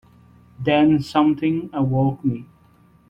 Then something awoke me.